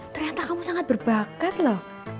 ternyata kamu sangat berbakat loh